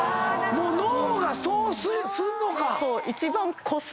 もう脳がそうすんのか！